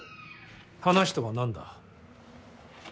話とは何だ。